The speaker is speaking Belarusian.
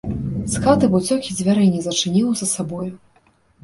З хаты б уцёк і дзвярэй не зачыніў за сабою.